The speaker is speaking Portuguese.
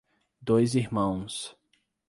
Dois Irmãos